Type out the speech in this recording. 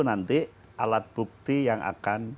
nanti alat bukti yang akan